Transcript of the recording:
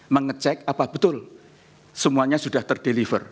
mengecek apa betul semuanya sudah ter deliver